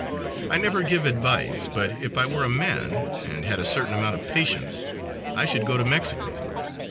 I never give advice, but if I were a man and had a certain amount of patience I should go to Mexico.